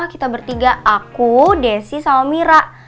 kita bertiga aku desi sama mira